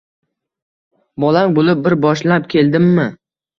Bolang bulib bir bor boshlab keldimmi